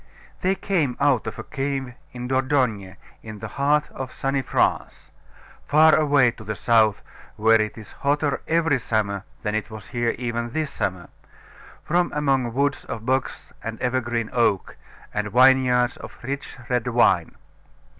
They came out of a cave in Dordogne, in the heart of sunny France, far away to the south, where it is hotter every summer than it was here even this summer, from among woods of box and evergreen oak, and vineyards of rich red wine.